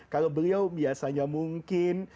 kalau beliau biasanya mungkin